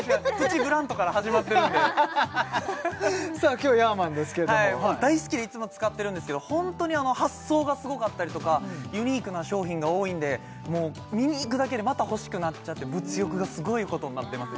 今日ヤーマンですけれども大好きでいつも使ってるんですけどホントに発想がすごかったりとかユニークな商品が多いんで見にいくだけでまた欲しくなっちゃって物欲がすごいことになってます